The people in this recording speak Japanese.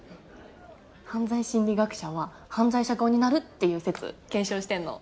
犯罪心理学者は犯罪者顔になるっていう説検証してんの。